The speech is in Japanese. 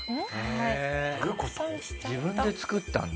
自分で作ったんだ。